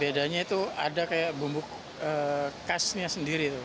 bedanya itu ada kayak bumbu khasnya sendiri tuh